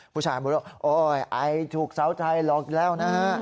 ผู้ชายบอกโอยไอถูกเสาไทยหลอกแล้วนะ